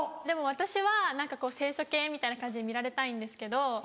でも私は何かこう清楚系みたいな感じで見られたいんですけど。